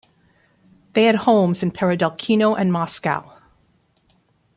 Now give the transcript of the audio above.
They had homes in Peredelkino and Moscow.